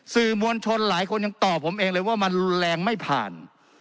สื่อมวลชนหลายคนยังตอบผมเองเลยว่ามันรุนแรงไม่ผ่าน